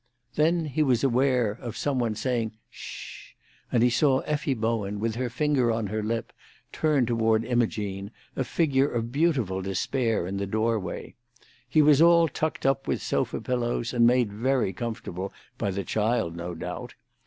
Then he was aware of some one saying "Sh!" and he saw Effie Bowen, with her finger on her lip, turned toward Imogene, a figure of beautiful despair in the doorway. He was all tucked up with sofa pillows, and made very comfortable, by the child, no doubt.